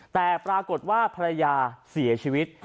แต่ปรากฏว่าภรรยาเสียชีวิต